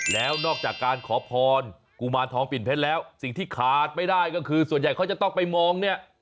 แล้วนอกจากการขอพรกุมารทองปิ่นเพชรแล้วสิ่งที่ขาดไม่ได้ก็คือส่วนใหญ่เขาจะต้องไปมองเนี่ย